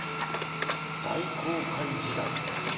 大航海時代ですよね。